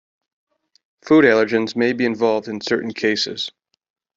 Food allergens may be involved in certain cases.